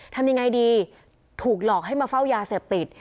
ทำยังไงดีถูกหลอกให้มาเฝ้ายาเสพติด